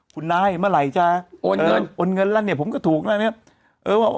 คุณนายเมื่อไหร่จะโอนเงินโอนเงินแล้วเนี่ยผมก็ถูกแล้วเนี่ย